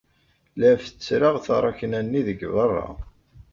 La fessreɣ taṛakna-nni deg beṛṛa.